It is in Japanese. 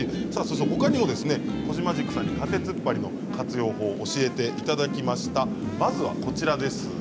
ほかにもコジマジックさんに縦つっぱりの活用法を教えていただきました。